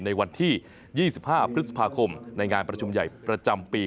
ในวันที่๒๕พฤษภาคมในงานประชุมใหญ่ประจำปี